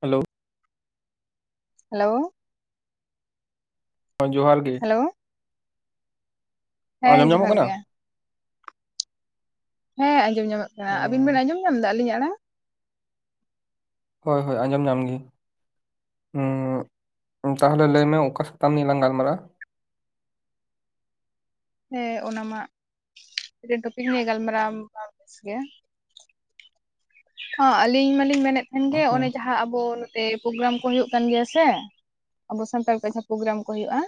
Hello hello ᱦᱮ ᱡᱚᱦᱟᱨ ᱜᱮ ᱦᱮᱞᱳ ᱟᱸᱡᱚᱢ ᱦᱮᱸ ᱧᱟᱢᱚᱜ ᱡᱚᱦᱟᱨ ᱠᱟᱱᱟ ᱜᱮ ᱦᱮᱸ ᱟᱸᱡᱚᱢ ᱧᱟᱢᱚᱜ ᱠᱟᱱᱟ ᱩᱸ ᱟᱵᱤᱱ ᱵᱮᱱ ᱟᱸᱡᱚᱢ ᱧᱟᱢ ᱮᱫᱟ ᱟᱹᱞᱤᱧ ᱟᱲᱟᱝ, ᱦᱳᱭ ᱦᱳᱭ ᱟᱸᱡᱚᱢ ᱧᱟᱢ ᱜᱮ ᱛᱟᱦᱚᱞᱮ ᱞᱟᱹᱭᱢᱮ ᱚᱠᱟ ᱥᱟᱛᱟᱢ ᱞᱟᱝ ᱜᱟᱞᱢᱟᱨᱟᱣ-ᱟ᱾ ᱦᱮᱸ ᱚᱱᱟᱢᱟ ᱢᱤᱫᱴᱮᱱ ᱴᱚᱯᱤᱠ ᱱᱤᱭᱮ ᱜᱟᱞᱢᱟᱨᱟᱣ- ᱢᱮ ᱵᱮᱥ ᱜᱮ ᱦᱚᱸ ᱟᱹᱞᱤᱧ ᱢᱟᱞᱤᱧ ᱢᱮᱱᱮᱫ ᱛᱟᱦᱮᱱ ᱜᱮ ᱚᱱᱮ ᱦᱩᱸ ᱡᱟᱦᱟᱸ ᱟᱵᱚ ᱛᱮ ᱯᱨᱳᱜᱨᱟᱢ ᱠᱚ ᱦᱩᱭᱩᱜ ᱠᱟᱱ ᱜᱮᱭᱟ ᱥᱮ ᱟᱵᱚ ᱥᱟᱱᱛᱟᱲ ᱠᱚᱣᱟᱜ ᱡᱟᱦᱟᱸ ᱯᱨᱳᱜᱨᱟᱢ ᱠᱚ ᱦᱩᱭᱩᱜᱼᱟ᱾